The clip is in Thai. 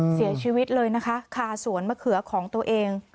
เสียชีวิตเลยนะคะคาสวนมะเขือของตัวเอง